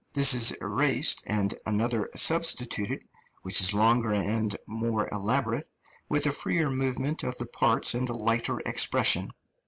This is erased and another substituted, which is longer and more elaborate, with a freer movement of the parts and a lighter expression.